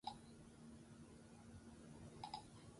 Ondoren ikasi zuen soinua jotzen, akordeoi handia.